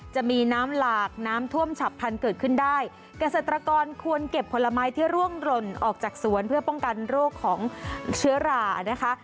จะมีน้ำหลากน้ำท่วมฉับพันธุ์เกิดขึ้นได้เกษตรกรควรเก็บผลไม้ที่ร่วงหล่นออกจากสวนเพื่อป้องกันโรคของเชื้อรานะคะ